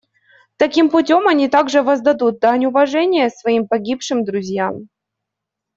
Таким путем они также воздадут дань уважения своим погибшим друзьям.